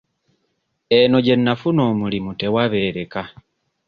Eno gye nnafuna omulimu tewabeereka.